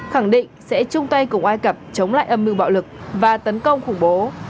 khẳng định sẽ chung tay cùng ai cập chống lại âm mưu bạo lực và tấn công khủng bố